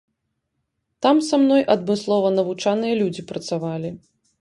Там са мной адмыслова навучаныя людзі працавалі.